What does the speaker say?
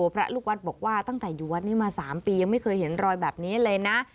พระลูกวัดบอกว่าตั้งแต่อยู่วัดนี้มา๓ปียังไม่เคยเห็นรอยแบบนี้เลยนะ